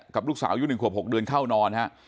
กับลูกสาวยุค๑ขวบ๖เดือนเข้านอนฮะ